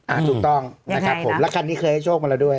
ถูกต้องนะครับผมแล้วคันนี้เคยให้โชคมาแล้วด้วย